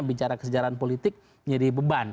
bicara kesejahteraan politik jadi beban